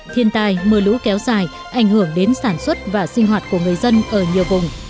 thiên tai mưa lũ kéo dài ảnh hưởng đến sản xuất và sinh hoạt của người dân ở nhiều vùng